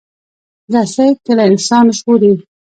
رسۍ کله انسان ژغوري.